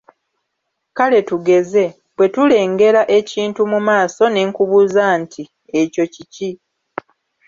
Kale tugeze; bwe tulengera ekintu mu maaso ne nkubuuza nti: ekyo kiki?